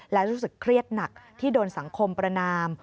และรู้สึกเครียดหนักที่โดนสังคมประนาม